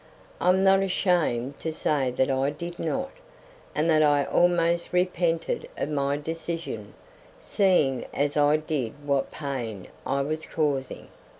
I'm not ashamed to say that I did not, and that I almost repented of my decision, seeing as I did what pain I was causing.